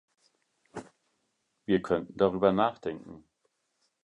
Wir könnten darüber nachdenken.